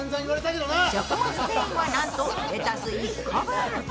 食物繊維は、なんとレタス１個分。